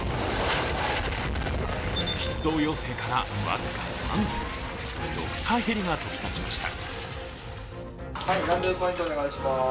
出動要請から僅か３分、ドクターヘリが飛び立ちました。